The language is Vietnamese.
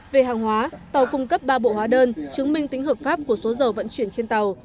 về hàng hóa tàu cung cấp ba bộ hóa đơn chứng minh tính hợp pháp của số dầu vận chuyển trên tàu